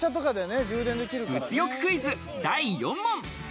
物欲クイズ第４問！